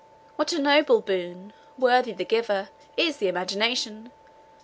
What a noble boon, worthy the giver, is the imagination!